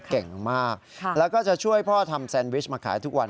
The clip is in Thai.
เก่งมากแล้วก็จะช่วยพ่อทำแซนวิชมาขายทุกวัน